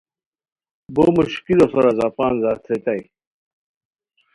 بو مشکلو سورا زپان زراتھریتائے